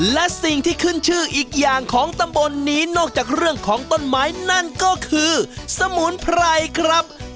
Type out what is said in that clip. และสิ่งที่ขึ้นชื่ออีกอย่างของตำบลนี้นอกจากเรื่องของต้นไม้นั่นก็คือสมุนไพรครับ